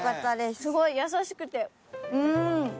すごい優しくてうん！